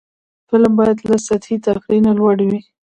فلم باید له سطحي تفریح نه لوړ وي